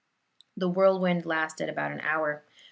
The whirlwind lasted about an hour.